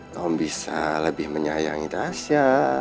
kamu bisa lebih menyayangi tasya